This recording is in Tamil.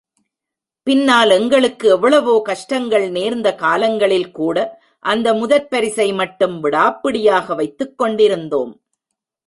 பின்னால் எங்களுக்கு எவ்வளவோ கஷ்டங்கள் நேர்ந்த காலங்களில்கூட அந்த முதற் பரிசை மட்டும் விடாப்பிடியாக வைத்துக் கொண்டிருந்தோம்.